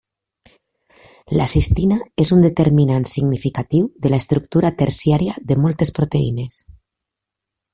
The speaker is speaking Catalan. La cistina és un determinant significatiu de l'estructura terciària de moltes proteïnes.